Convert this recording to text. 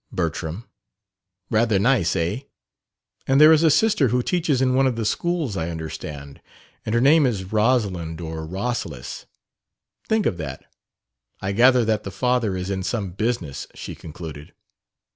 'Bertram'; rather nice, eh? And there is a sister who teaches in one of the schools, I understand; and her name is Rosalind, or Rosalys. Think of that! I gather that the father is in some business," she concluded.